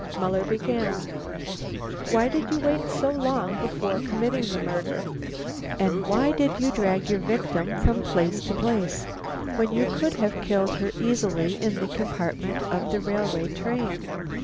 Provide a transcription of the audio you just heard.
Muller began: "Why did you wait so long before committing the murder? and why did you drag your victim from place to place when you could have killed her easily in the compartment of the railway train?"